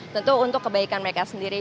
tentu untuk kebaikan mereka sendiri